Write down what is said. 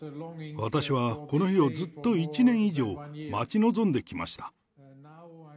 私はこの日をずっと１年以上、待ち望んできました。